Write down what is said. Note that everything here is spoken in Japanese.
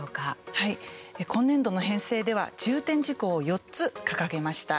はい、今年度の編成では重点事項を４つ掲げました。